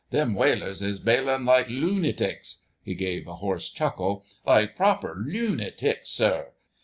Them whalers is bailin' like loo natics—" he gave a hoarse chuckle, "like proper loo natics, sir....